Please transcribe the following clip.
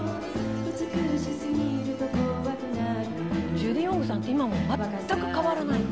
「ジュディ・オングさんって今も全く変わらないの」